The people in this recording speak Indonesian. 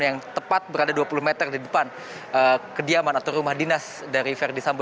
yang tepat berada dua puluh meter di depan kediaman atau rumah dinas dari verdi sambo